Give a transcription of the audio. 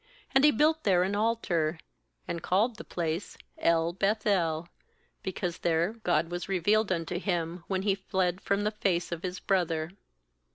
7And he built there an altar, and called the place *El beth el, be cause there God was revealed unto him, when he fled from the face of his brother.